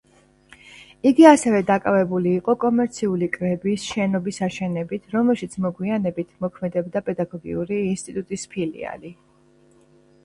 იგი ასევე დაკავებული იყო კომერციული კრების შენობის აშენებით, რომელშიც მოგვიანებით მოქმედებდა პედაგოგიური ინსტიტუტის ფილიალი.